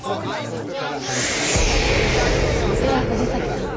では藤崎さん